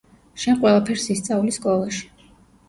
შენ ყველაფერს ისწავლი სკოლაში